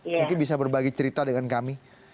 mungkin bisa berbagi cerita dengan kami